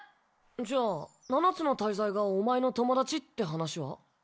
じゃあ七つの大罪がお前の友達って話は？